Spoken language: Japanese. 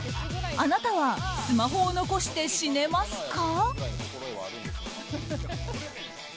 あなたはスマホを残して死ねますか？